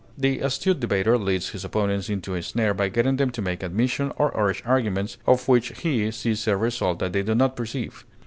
The astute debater leads his opponents into a snare by getting them to make admissions, or urge arguments, of which he sees a result that they do not perceive.